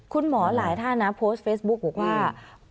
คุณหมอหลายท่านนะโพสต์เฟซบุ๊กบอกว่า